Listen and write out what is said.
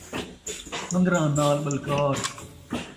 سن٘دراں نال ٻلکار